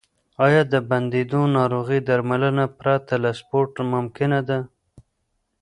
آیا د بندونو ناروغي درملنه پرته له سپورت ممکنه ده؟